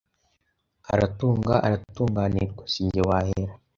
aratunga, aratunganirwa. Si njye wahera,